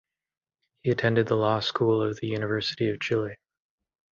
He attended the Law School of the University of Chile.